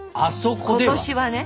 今年はね。